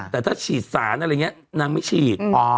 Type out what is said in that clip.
แต่ถ้าฉีดสารอะไรอย่างนี้นางไม่ฉีด